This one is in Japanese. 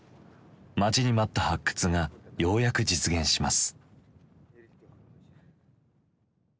待ちに待った発掘がようやく実現します。